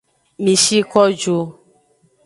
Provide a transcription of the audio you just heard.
Mi shi ko ju.